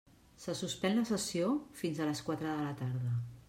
Se suspèn la sessió fins a les quatre de la tarda.